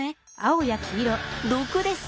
毒です。